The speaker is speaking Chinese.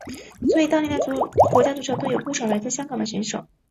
所以当年的国家足球队有不少来自香港的选手。